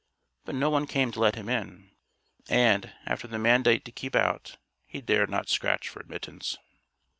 But no one came to let him in. And, after the mandate to keep out, he dared not scratch for admittance.